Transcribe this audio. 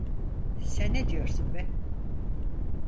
Sen ne diyorsun be?